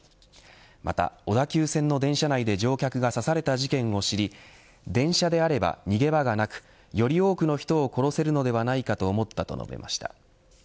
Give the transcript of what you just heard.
また小田急線の電車内で乗客が刺された事件を知り電車であれば逃げ場がなくより多くの人を殺せるのではないかと思ったと述べました。